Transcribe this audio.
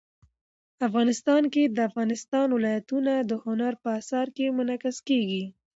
افغانستان کې د افغانستان ولايتونه د هنر په اثار کې منعکس کېږي.